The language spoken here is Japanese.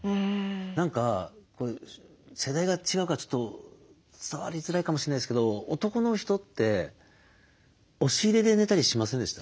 何か世代が違うからちょっと伝わりづらいかもしれないですけど男の人って押し入れで寝たりしませんでした？